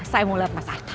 saya mau lihat mas arta